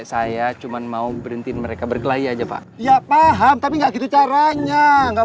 saya cuman mau berhenti mereka berkelahi aja pak ya paham tapi enggak gitu caranya enggak